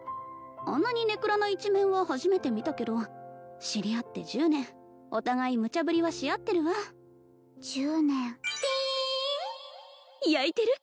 あんなに根暗な一面は初めて見たけど知り合って１０年お互いムチャ振りはし合ってるわ１０年やいてる？